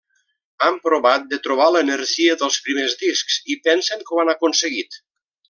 Han provat de trobar l'energia dels primers discs i pensen que ho han aconseguit.